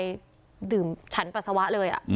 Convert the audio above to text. ดื่มฉันปัสสาวะเลย